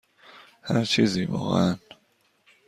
هر چیزی، واقعا.